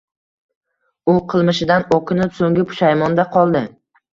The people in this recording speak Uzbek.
U qilmishidan o`kinib, so`nggi pushaymonda qoldi